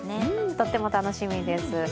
とっても楽しみです。